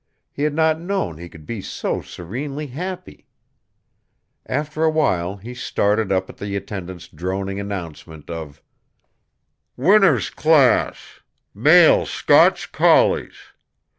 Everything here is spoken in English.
He had not known he could be so serenely happy. After a while, he started up at the attendant's droning announcement of, "Winners' Class, Male Scotch Collies!